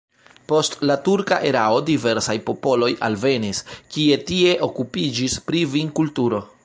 Post la turka erao diversaj popoloj alvenis, kie tie okupiĝis pri vinkulturo.